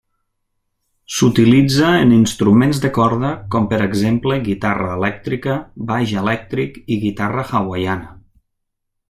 S'utilitza en instruments de corda com per exemple guitarra elèctrica, baix elèctric i guitarra hawaiana.